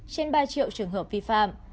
trên ba triệu trường hợp vi phạm